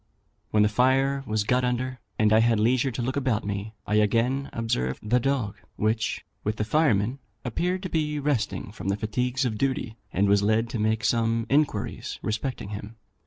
When the fire was got under, and I had leisure to look about me, I again observed the dog, which, with the firemen, appeared to be resting from the fatigues of duty, and was led to make some inquiries respecting him.